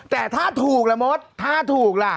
แต่ถ้าถูกละมดถ้าถูกล่ะ